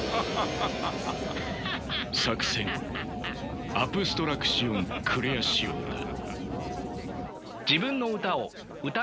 作戦アプストラクシオン・クレアシオンだ。